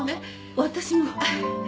私も？